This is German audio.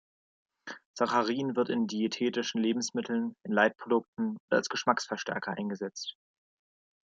Saccharin wird in diätetischen Lebensmitteln, in Light-Produkten und als Geschmacksverstärker eingesetzt.